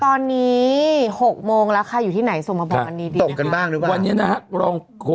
ตอนนี้๖โมงแล้วคราวอยู่ที่ไหนส่งมาบอกอันนี้ดีนะครับ